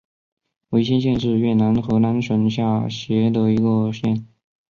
维先县是越南河南省下辖的一个县。